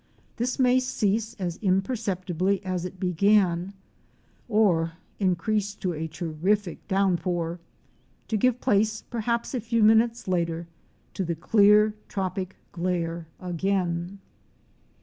This may cease as imperceptibly as it began, or increase to a terrific downpour — to give place perhaps a few minutes later to the clear tropic glare again.